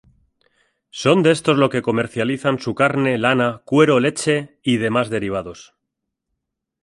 Son de estos lo que comercializan su carne, lana, cuero, leche y demás derivados.